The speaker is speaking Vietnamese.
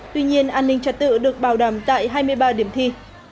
tuy nhiên an ninh trật tự được bảo đảm tại hai mươi ba điểm thi